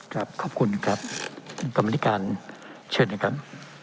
ครับขอบคุณครับคำนาฬิการเชิญให้กัน